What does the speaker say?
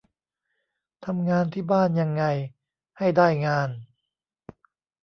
ทำงานที่บ้านยังไงให้ได้งาน